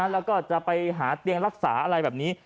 แล้วก็จะไปหาเตียงรักษาอะไรแบบนี้